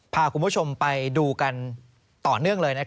พาคุณผู้ชมไปดูกันต่อเนื่องเลย